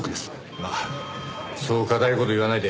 まあそう堅い事言わないで。